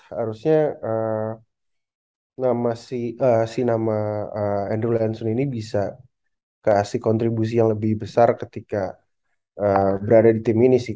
harusnya si nama andrew enson ini bisa kasih kontribusi yang lebih besar ketika berada di tim ini sih